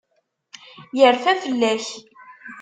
Yerfa fell-ak.